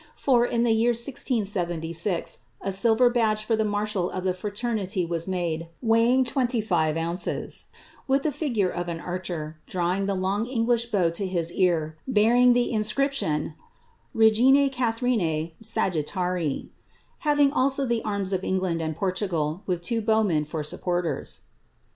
For, in the year 1676, a silver badge for the marshal of the fntemity «u made, weighing twenty five ounces, with the figure of an archer, (hav ing the long English bow to his ear, bearing the inscription, ^ Rxgixx Catharine Sagitarii,^' having also the arms of England and Portugal, with two bowmen for supporters.'